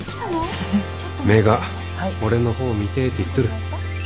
目が「俺の方見て」って言っとる。